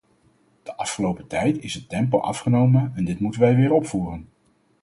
De afgelopen tijd is het tempo afgenomen en dit moeten wij weer opvoeren.